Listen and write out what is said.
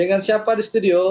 dengan siapa di studio